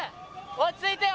落ち着いてよ！